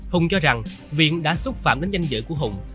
hùng cho rằng viện đã xúc phạm đến danh dự của hùng